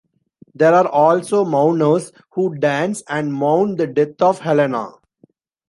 There are also mourners who dance and mourn the death of Helena.